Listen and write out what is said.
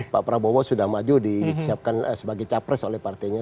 pak prabowo sudah maju disiapkan sebagai capres oleh partainya